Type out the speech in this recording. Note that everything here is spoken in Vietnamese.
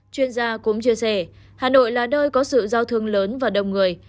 chuyên gia cũng chia sẻ hà nội là nơi có sự giao thương lớn và đông người